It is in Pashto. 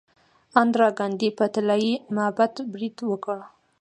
اندرا ګاندي په طلایی معبد برید وکړ.